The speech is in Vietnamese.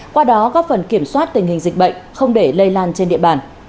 qua đó góp phần kiểm soát tình hình dịch bệnh không để lây lan trên địa bàn